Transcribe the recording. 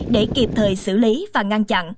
để kịp thời xử lý và ngăn chặn